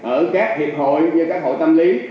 ở các hiệp hội như các hội tâm lý